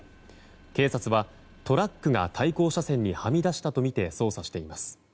警察は、トラックが対向車線にはみ出したとみて捜査しています。